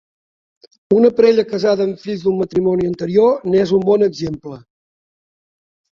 Una parella casada amb fills d'un matrimoni anterior n'és un bon exemple.